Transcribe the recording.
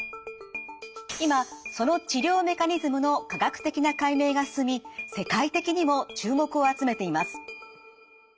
今その治療メカニズムの科学的な解明が進み世界的にも注目を集めています。